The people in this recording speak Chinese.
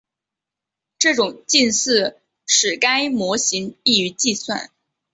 这种近似使该模型易于计算。